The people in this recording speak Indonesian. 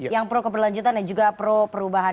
yang pro keberlanjutan dan juga pro perubahan